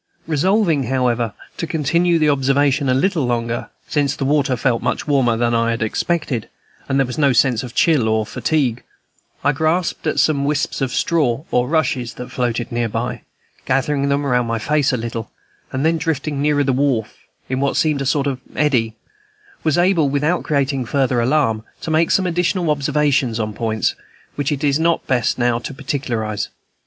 Resolving, however, to continue the observation a very little longer, since the water felt much warmer than I had expected, and there was no sense of chill or fatigue, I grasped at some wisps of straw or rushes that floated near, gathering them round my face a little, and then drifting nearer the wharf in what seemed a sort of eddy was able, without creating further alarm, to make some additional observations on points which it is not best now to particularize.